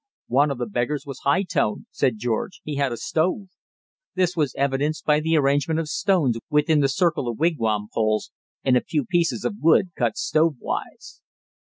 "One of the beggars was high toned," said George; "he had a stove." This was evidenced by the arrangement of stones within the circle of wigwam poles, and a few pieces of wood cut stove size.